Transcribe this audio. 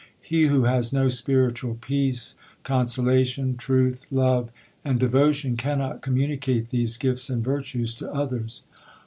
He who has no spiritual peace, consolation, truth, love and devotion cannot com municate these gifts and virtues to others.